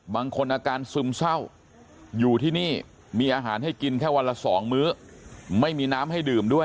บางคนอาการซึมเศร้า